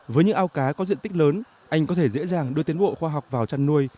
với những ao cá có diện tích lớn anh có thể dễ dàng đưa tiến bộ khoa học vào chăn nuôi